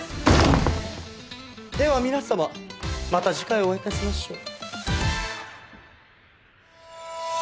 では皆様また次回お会い致しましょう。